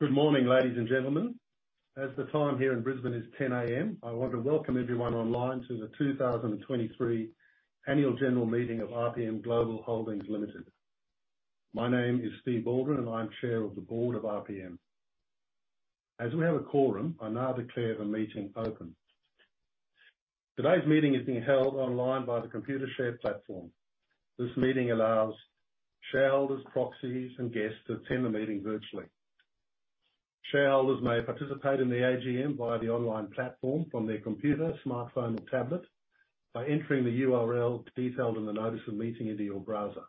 Good morning, ladies and gentlemen. As the time here in Brisbane is 10:00 A.M. I want to welcome everyone online to the 2023 Annual General Meeting of RPMGlobal Holdings Limited. My name is Steve Baldwin, and I'm Chair of the Board of RPM. As we have a quorum, I now declare the meeting open. Today's meeting is being held online by the Computershare platform. This meeting allows shareholders, proxies, and guests to attend the meeting virtually. Shareholders may participate in the AGM via the online platform from their computer, smartphone, or tablet by entering the URL detailed in the notice of meeting into your browser.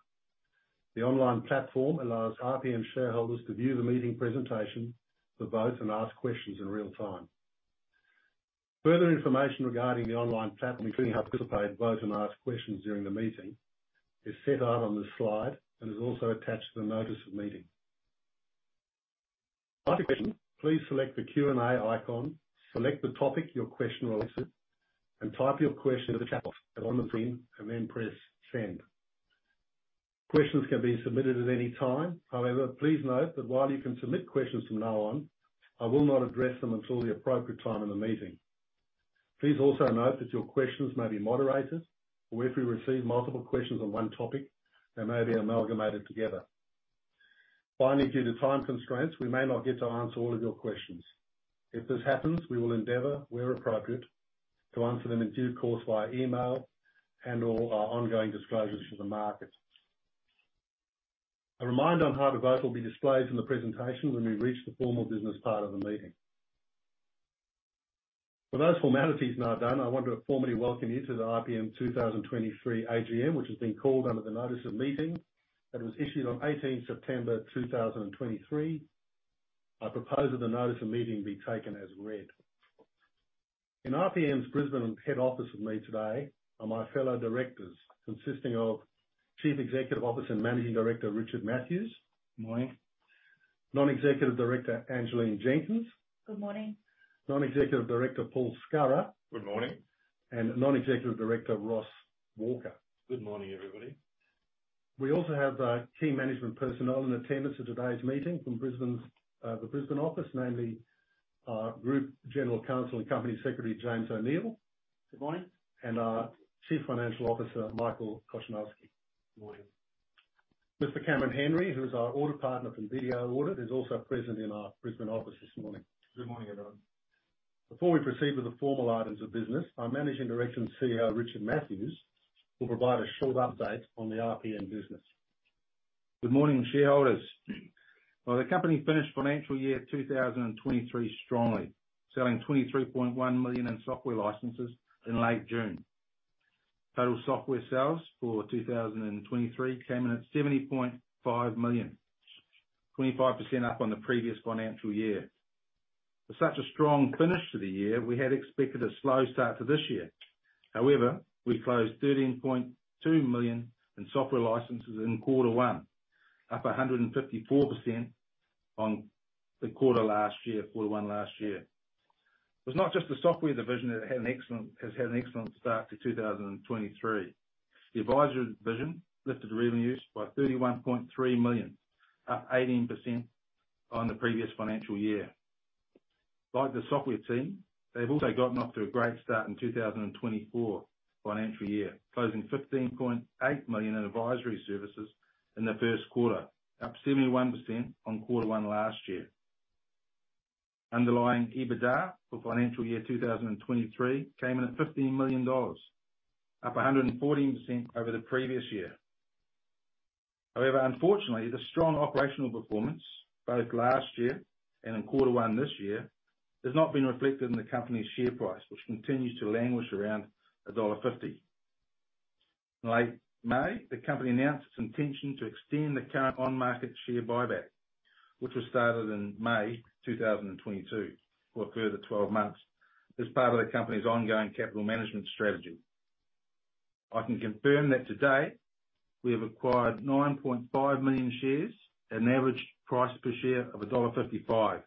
The online platform allows RPM shareholders to view the meeting presentation, to vote, and ask questions in real time. Further information regarding the online platform, including how to participate, vote, and ask questions during the meeting, is set out on this slide and is also attached to the notice of meeting. Please select the Q&A icon, select the topic your question relates to, and type your question in the chat box on the screen, and then press Send. Questions can be submitted at any time. However, please note that while you can submit questions from now on, I will not address them until the appropriate time in the meeting. Please also note that your questions may be moderated, or if we receive multiple questions on one topic, they may be amalgamated together. Finally, due to time constraints, we may not get to answer all of your questions. If this happens, we will endeavor, where appropriate, to answer them in due course via email and/or our ongoing disclosures to the market. A reminder on how to vote will be displayed in the presentation when we reach the formal business part of the meeting. With those formalities now done, I want to formally welcome you to the RPM 2023 AGM, which has been called under the notice of meeting that was issued on 18th September 2023. I propose that the notice of meeting be taken as read. In RPM's Brisbane head office with me today are my fellow directors, consisting of Chief Executive Officer and Managing Director, Richard Mathews. Morning. Non-Executive Director, Angeleen Jenkins. Good morning. Non-Executive Director, Paul Scurrah. Good morning. Non-Executive Director, Ross Walker. Good morning everybody. We also have key management personnel in attendance at today's meeting from the Brisbane office, namely our Group General Counsel and Company Secretary, James O'Neill. Good morning. Our Chief Financial Officer, Michael Kochanowski. Morning. Mr. Cameron Henry, who is our Audit Partner from BDO Audit, is also present in our Brisbane office this morning. Good morning, everyone. Before we proceed with the formal items of business, our Managing Director and CEO, Richard Mathews, will provide a short update on the RPM business. Good morning, shareholders. Well, the company finished financial year 2023 strongly, selling 23.1 million in software licenses in late June. Total software sales for 2023 came in at 70.5 million, 25% up on the previous financial year. With such a strong finish to the year, we had expected a slow start to this year. However, we closed 13.2 million in software licenses in quarter one, up 154% on the quarter last year, quarter one last year. It was not just the software division that has had an excellent start to 2023. The advisory division lifted revenues by 31.3 million, up 18% on the previous financial year. Like the software team, they've also gotten off to a great start in 2024 financial year, closing 15.8 million in advisory services in the first quarter, up 71% on quarter one last year. Underlying EBITDA for financial year 2023 came in at AUD 15 million, up 114% over the previous year. However, unfortunately, the strong operational performance both last year and in quarter one this year, has not been reflected in the company's share price, which continues to languish around AUD 1.50. In late May, the company announced its intention to extend the current on-market share buyback, which was started in May 2022, for a further 12 months, as part of the company's ongoing capital management strategy. I can confirm that today, we have acquired 9.5 million shares at an average price per share of dollar 1.55,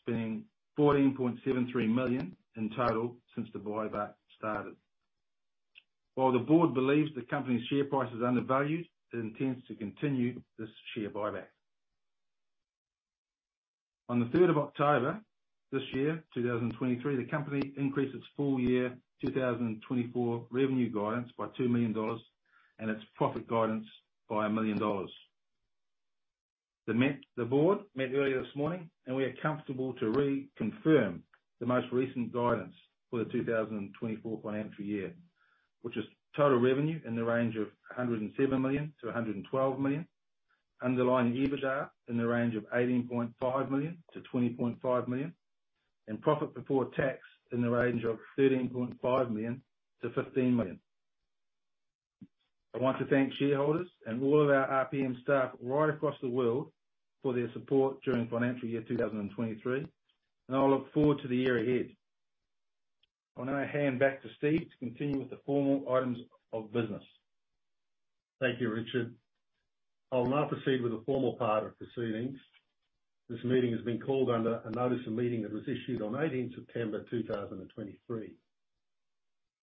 spending 14.73 million in total since the buyback started. While the Board believes the company's share price is undervalued, it intends to continue this share buyback. On the third of October this year, 2023, the company increased its full-year 2024 revenue guidance by 2 million dollars, and its profit guidance by 1 million dollars. The Board met earlier this morning, and we are comfortable to reconfirm the most recent guidance for the 2024 financial year, which is total revenue in the range of 107 million-112 million. Underlying EBITDA in the range of 18.5 million-20.5 million, and profit before tax in the range of 13.5 million-15 million. I want to thank shareholders and all of our RPM staff right across the world for their support during financial year 2023, and I look forward to the year ahead. I'll now hand back to Steve to continue with the formal items of business. Thank you, Richard. I'll now proceed with the formal part of proceedings. This meeting has been called under a notice of meeting that was issued on 18th September 2023.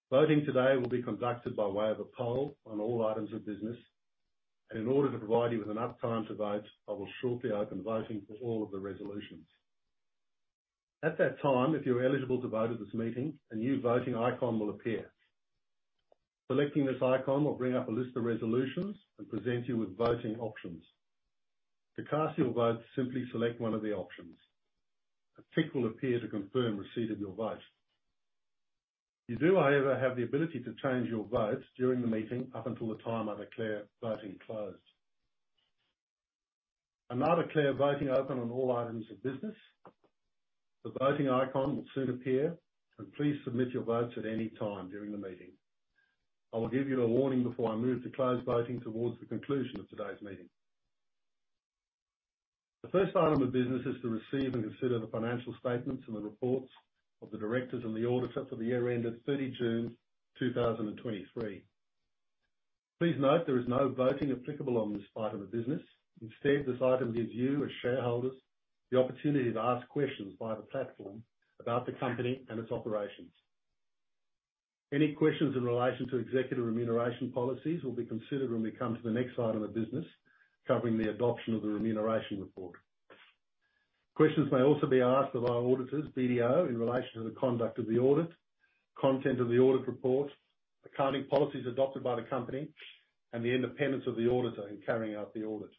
Voting today will be conducted by way of a poll on all items of business, and in order to provide you with enough time to vote, I will shortly open voting for all of the resolutions. At that time, if you're eligible to vote at this meeting, a new voting icon will appear. Selecting this icon will bring up a list of resolutions and present you with voting options. To cast your vote, simply select one of the options. A tick will appear to confirm receipt of your vote. You do, however, have the ability to change your vote during the meeting, up until the time I declare voting closed. Now I declare voting open on all items of business. The voting icon will soon appear, and please submit your votes at any time during the meeting. I will give you a warning before I move to close voting towards the conclusion of today's meeting. The first item of business is to receive and consider the financial statements and the reports of the Directors and the Auditors for the year ended 30 June 2023. Please note there is no voting applicable on this item of business. Instead, this item gives you, as shareholders, the opportunity to ask questions via the platform about the company and its operations. Any questions in relation to executive remuneration policies will be considered when we come to the next item of business, covering the adoption of the Remuneration Report. Questions may also be asked of our auditors, BDO, in relation to the conduct of the audit, content of the audit report, accounting policies adopted by the company, and the independence of the auditor in carrying out the audit.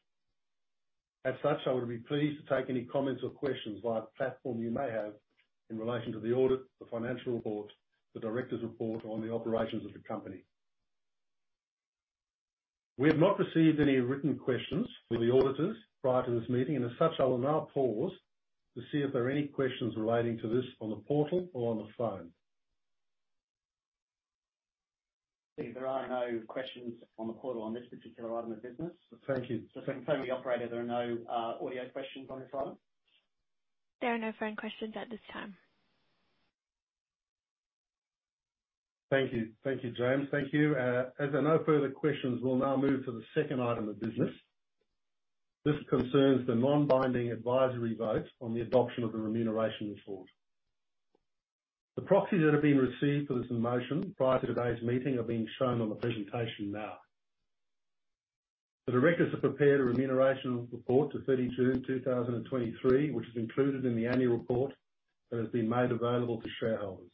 As such, I would be pleased to take any comments or questions via the platform you may have in relation to the audit, the financial report, the directors' report on the operations of the company. We have not received any written questions for the auditors prior to this meeting, and as such, I will now pause to see if there are any questions relating to this on the portal or on the phone. There are no questions on the portal on this particular item of business. Thank you. Just let me tell the operator there are no audio questions on this item. There are no phone questions at this time. Thank you. Thank you, James. Thank you. As there are no further questions, we'll now move to the second item of business. This concerns the non-binding advisory vote on the adoption of the Remuneration Report. The proxies that have been received for this motion prior to today's meeting are being shown on the presentation now. The directors have prepared a Remuneration Report to 30 June 2023, which is included in the annual report that has been made available to shareholders.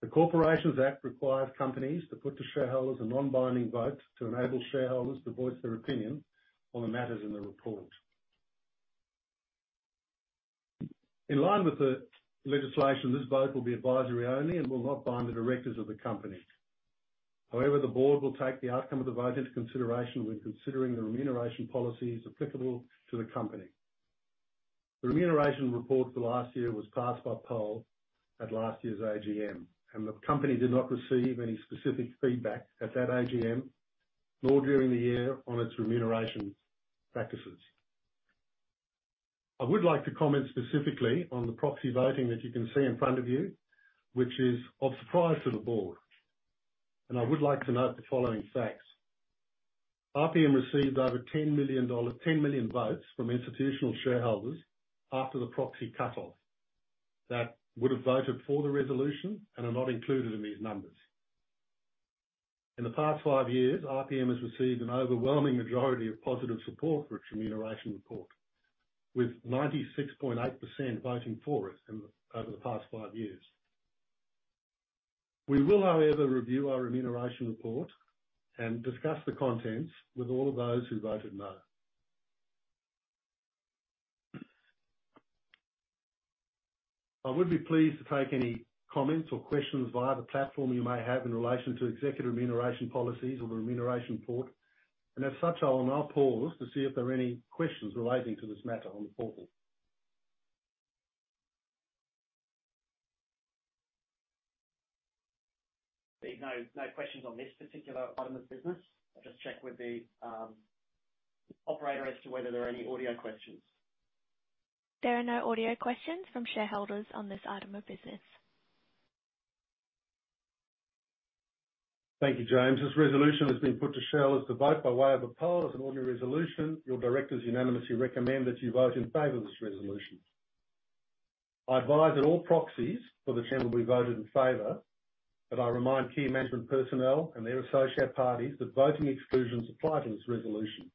The Corporations Act requires companies to put to shareholders a non-binding vote to enable shareholders to voice their opinion on the matters in the report. In line with the legislation, this vote will be advisory only and will not bind the directors of the company. However, the Board will take the outcome of the vote into consideration when considering the remuneration policies applicable to the company. The Remuneration Report for last year was passed by poll at last year's AGM, and the company did not receive any specific feedback at that AGM, nor during the year, on its remuneration practices. I would like to comment specifically on the proxy voting that you can see in front of you, which is of surprise to the Board, and I would like to note the following facts. RPM received over 10 million votes from institutional shareholders after the proxy cut-off, that would have voted for the resolution and are not included in these numbers. In the past five years, RPM has received an overwhelming majority of positive support for its Remuneration Report, with 96.8% voting for it over the past five years. We will, however, review our Remuneration Report and discuss the contents with all of those who voted no. I would be pleased to take any comments or questions via the platform you may have in relation to executive remuneration policies or the remuneration report, and as such, I will now pause to see if there are any questions relating to this matter on the portal. There's no questions on this particular item of business. I'll just check with the operator as to whether there are any audio questions. There are no audio questions from shareholders on this item of business. Thank you, James. This resolution has been put to shareholders to vote by way of a poll as an ordinary resolution. Your directors unanimously recommend that you vote in favor of this resolution. I advise that all proxies for the Chairman be voted in favor, but I remind key management personnel and their associate parties that voting exclusions apply to this resolution.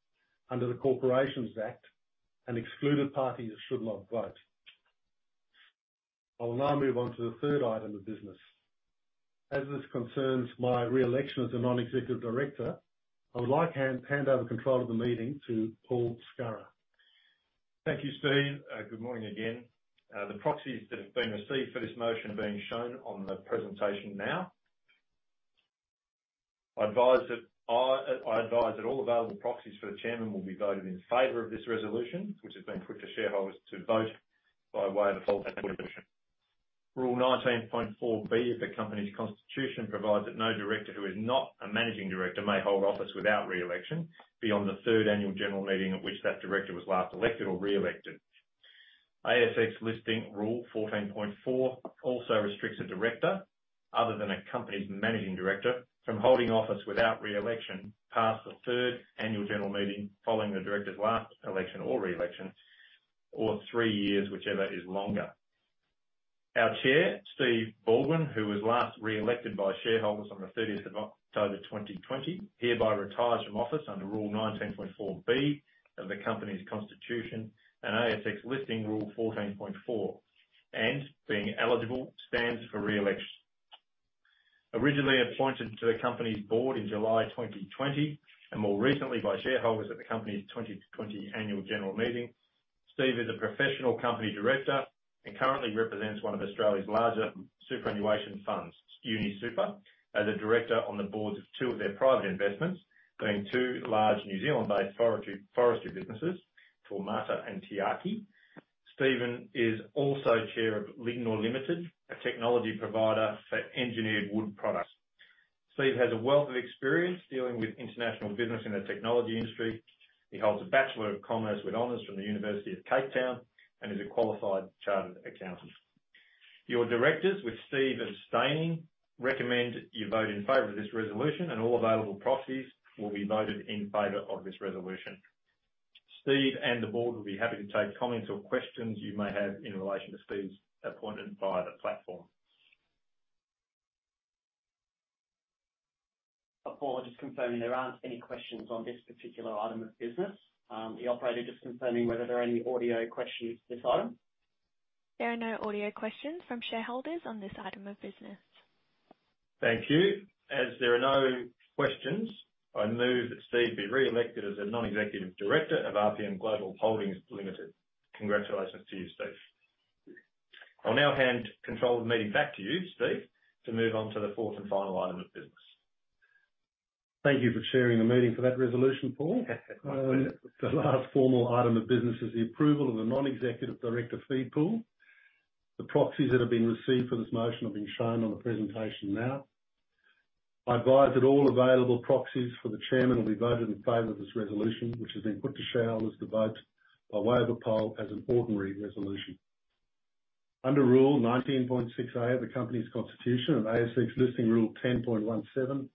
Under the Corporations Act, an excluded party should not vote. I will now move on to the third item of business. As this concerns my re-election as a Non-Executive Director, I would like hand over control of the meeting to Paul Scurrah. Thank you, Steve. Good morning again. The proxies that have been received for this motion are being shown on the presentation now. I advise that all available proxies for the Chairman will be voted in favor of this resolution, which has been put to shareholders to vote by way of a poll. Rule 19.4B of the company's constitution provides that no Director who is not a Managing Director may hold office without re-election beyond the third Annual General Meeting at which that Director was last elected or re-elected. ASX Listing Rule 14.4 also restricts a Director, other than a company's Managing Director, from holding office without re-election past the third Annual General Meeting following the Director's last election or re-election, or three years, whichever is longer. Our Chair, Steve Baldwin, who was last re-elected by shareholders on the 30th of October 2020, hereby retires from office under Rule 19.4B of the company's constitution and ASX Listing Rule 14.4, and being eligible, stands for re-election. Originally appointed to the company's board in July 2020, and more recently by shareholders at the company's 2020 Annual General Meeting, Steve is a professional company director and currently represents one of Australia's larger superannuation funds, UniSuper, as a director on the boards of two of their private investments, being two large New Zealand-based forestry businesses, Taumata and Tiaki. Stephen is also Chair of Lignor Limited, a technology provider for engineered wood products. Steve has a wealth of experience dealing with international business in the technology industry. He holds a Bachelor of Commerce with honors from the University of Cape Town and is a qualified chartered accountant. Your directors, with Steve abstaining, recommend you vote in favor of this resolution, and all available proxies will be voted in favor of this resolution. Steve and the Board will be happy to take comments or questions you may have in relation to Steve's appointment via the platform. Paul, just confirming there aren't any questions on this particular item of business? The operator just confirming whether there are any audio questions for this item. There are no audio questions from shareholders on this item of business. Thank you. As there are no questions, I move that Steve be re-elected as a Non-Executive Director of RPMGlobal Holdings Limited. Congratulations to you, Steve. I'll now hand control of the meeting back to you, Steve, to move on to the fourth and final item of business. Thank you for chairing the meeting for that resolution, Paul. The last formal item of business is the approval of the Non-Executive Director fee pool. The proxies that have been received for this motion have been shown on the presentation now. I advise that all available proxies for the Chairman will be voted in favor of this resolution, which has been put to shareholders to vote by way of a poll as an ordinary resolution. Under Rule 19.6A of the company's constitution and ASX Listing Rule 10.17,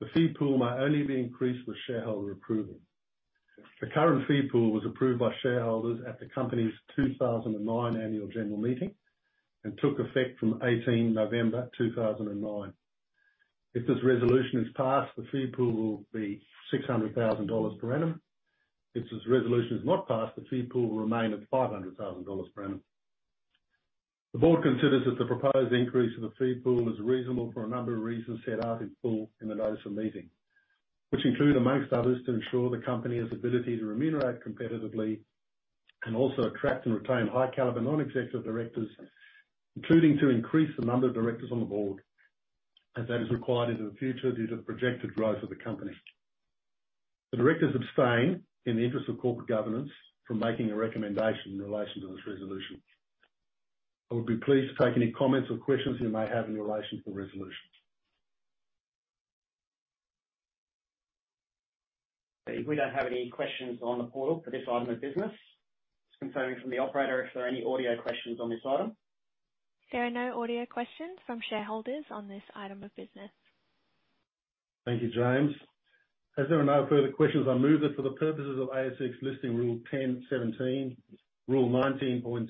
the fee pool may only be increased with shareholder approval. The current fee pool was approved by shareholders at the company's 2009 Annual General Meeting and took effect from 18 November 2009. If this resolution is passed, the fee pool will be 600 thousand dollars per annum. If this resolution is not passed, the fee pool will remain at 500 thousand dollars per annum. The Board considers that the proposed increase in the fee pool is reasonable for a number of reasons set out in full in the notice of meeting, which include, amongst others, to ensure the company has ability to remunerate competitively and also attract and retain high caliber Non-Executive Directors, including to increase the number of Directors on the Board as that is required in the future due to projected growth of the company. The Directors abstain, in the interest of corporate governance, from making a recommendation in relation to this resolution. I would be pleased to take any comments or questions you may have in relation to the resolution. If we don't have any questions on the portal for this item of business, just confirming from the operator if there are any audio questions on this item? There are no audio questions from shareholders on this item of business. Thank you, James. As there are no further questions, I move that for the purposes of ASX Listing Rule 10.17, Rule 19.6, little a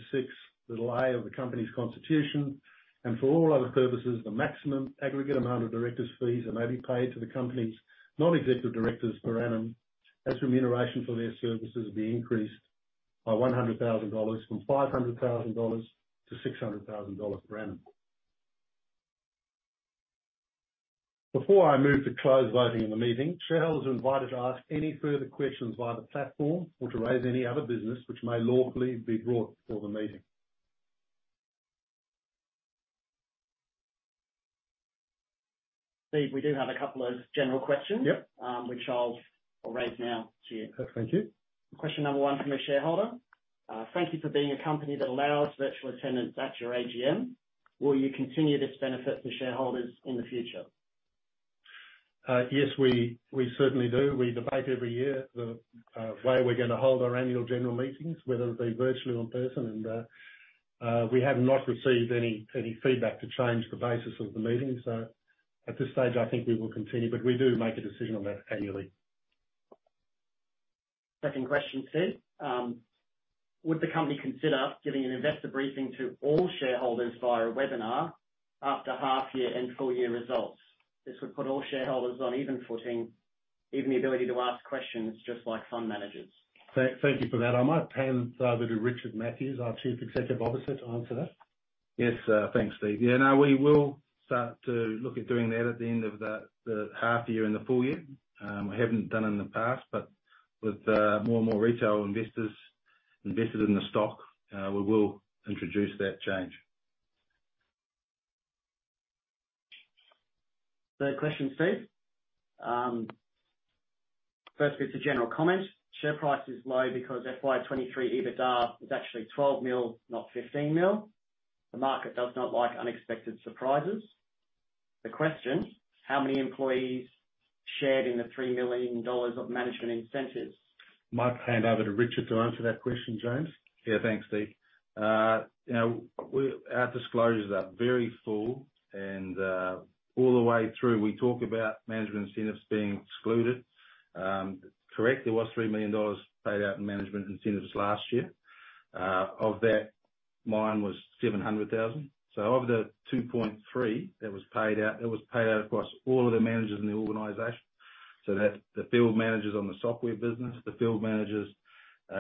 of the Company's Constitution, and for all other purposes, the maximum aggregate amount of directors' fees that may be paid to the Company's Non-Executive Directors per annum as remuneration for their services be increased by 100 thousand dollars from 500 thousand dollars to 600 thousand dollars per annum. Before I move to close voting in the meeting, shareholders are invited to ask any further questions via the platform or to raise any other business which may lawfully be brought before the meeting. Steve, we do have a couple of general questions. Yep. Which I'll raise now to you. Thank you. Question number 1 from a shareholder: "Thank you for being a company that allows virtual attendance at your AGM. Will you continue this benefit for shareholders in the future? Yes, we certainly do. We debate every year the way we're going to hold our Annual General Meetings, whether it be virtually or in person. We have not received any feedback to change the basis of the meeting. At this stage, I think we will continue, but we do make a decision on that annually. Second question, Steve. "Would the company consider giving an investor briefing to all shareholders via a webinar after half-year and full-year results? This would put all shareholders on even footing, even the ability to ask questions just like fund managers. Thank you for that. I might hand over to Richard Mathews, our Chief Executive Officer, to answer that. Yes, thanks, Steve. Yeah, no, we will start to look at doing that at the end of the half year and the full year. We haven't done it in the past, but with more and more retail investors invested in the stock, we will introduce that change. Third question, Steve. First bit's a general comment. Share price is low because FY 2023 EBITDA is actually 12 million, not 15 million. The market does not like unexpected surprises. The question, how many employees shared in the 3 million dollars of management incentives? Might hand over to Richard to answer that question, James. Yeah, thanks, Steve. You know, our disclosures are very full, and all the way through, we talk about management incentives being excluded. Correct, there was 3 million dollars paid out in management incentives last year. Of that, mine was 700 thousand. Of the 2.3 million that was paid out, it was paid out across all of the managers in the organization. That's the field managers on the software business, the field managers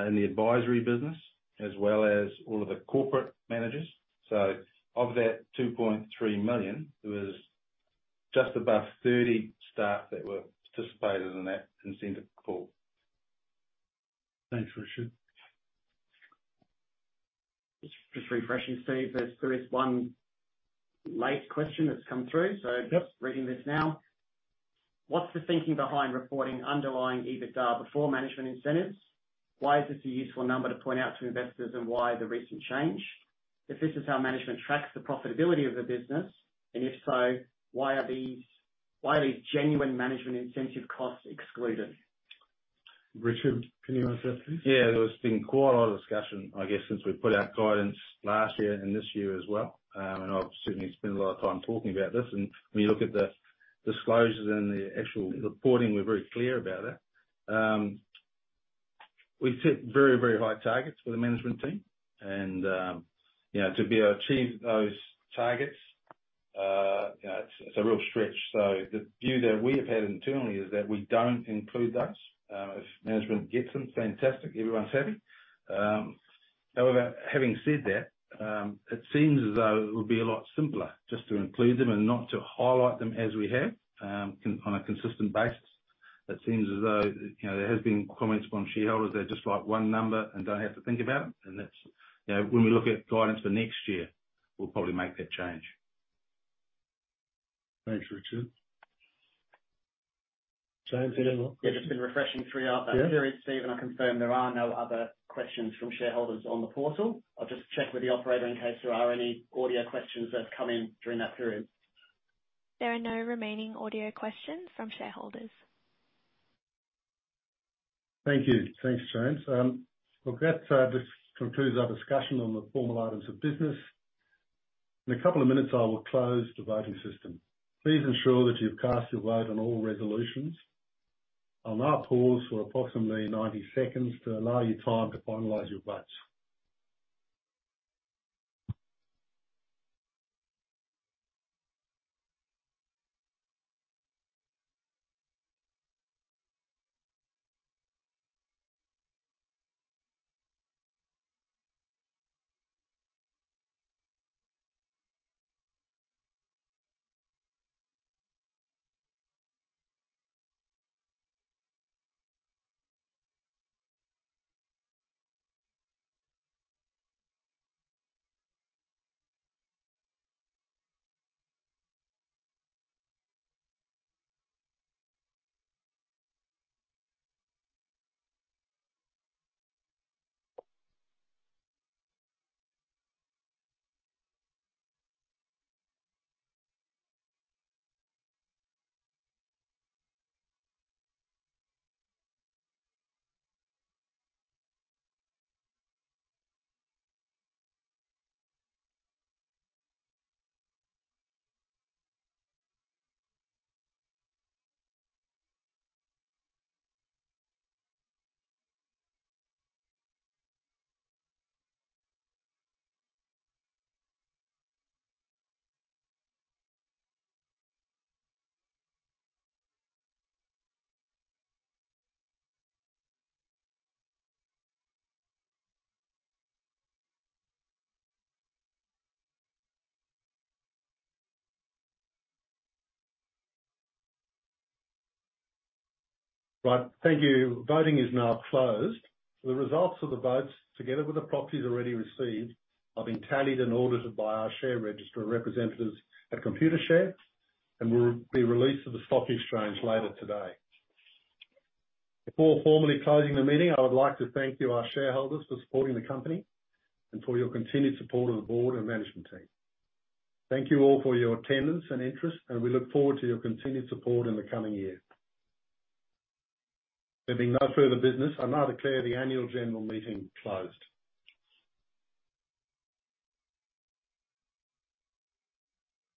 in the advisory business, as well as all of the corporate managers. Of that 2.3 million, there was just above 30 staff that were participated in that incentive pool. Thanks, Richard. Just refreshing, Steve. There is one late question that's come through. Yep. Just reading this now: What's the thinking behind reporting underlying EBITDA before management incentives? Why is this a useful number to point out to investors, and why the recent change? If this is how management tracks the profitability of the business, and if so, why are these genuine management incentive costs excluded? Richard, can you answer that please? Yeah. There's been quite a lot of discussion, I guess, since we put out guidance last year and this year as well. I've certainly spent a lot of time talking about this. When you look at the disclosures and the actual reporting, we're very clear about that. We've set very, very high targets for the management team. You know, to be able to achieve those targets, you know, it's a real stretch. The view that we have had internally is that we don't include those. If management gets them, fantastic, everyone's happy. However, having said that, it seems as though it would be a lot simpler just to include them and not to highlight them as we have on a consistent basis. It seems as though, you know, there has been comments from shareholders. They just like one number and don't have to think about it. That's, you know, when we look at guidance for next year, we'll probably make that change. Thanks, Richard. James, anything else? Yeah, just been refreshing through our back series, Steve, and I confirm there are no other questions from shareholders on the portal. I'll just check with the operator in case there are any audio questions that have come in during that period. There are no remaining audio questions from shareholders. Thank you. Thanks, James. Well, that just concludes our discussion on the formal items of business. In a couple of minutes, I will close the voting system. Please ensure that you've cast your vote on all resolutions. I'll now pause for approximately 90 seconds to allow you time to finalize your votes. Right. Thank you. Voting is now closed. The results of the votes, together with the proxies already received, have been tallied and audited by our share registrar representatives at Computershare, and will be released to the stock exchange later today. Before formally closing the meeting, I would like to thank you, our shareholders, for supporting the company, and for your continued support of the Board and management team. Thank you all for your attendance and interest, and we look forward to your continued support in the coming year. There being no further business, I now declare the Annual General Meeting closed.